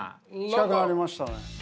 近くなりましたね。